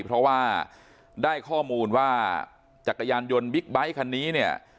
เพราะว่าได้ข้อมูลว่าจักรยานยนต์บิ๊กไบท์คันนี้เนี่ย